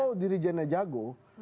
kalau diri jennya jago